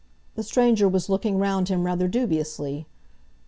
The stranger was looking round him rather dubiously.